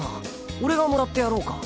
俺が貰ってやろうか？